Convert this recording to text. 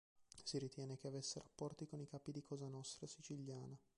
Si ritiene che avesse rapporti con i capi di Cosa nostra siciliana.